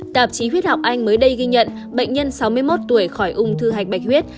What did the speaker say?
tạp chí huyết học anh mới đây ghi nhận bệnh nhân sáu mươi một tuổi khỏi ung thư hạch bạch huyết